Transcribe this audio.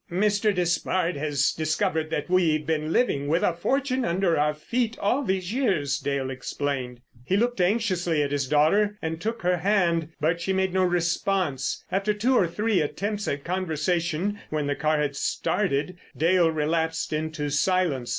"Mr. Despard has discovered that we've been living with a fortune under our feet all these years," Dale explained. He looked anxiously at his daughter and took her hand; but she made no response. After two or three attempts at conversation when the car had started, Dale relapsed into silence.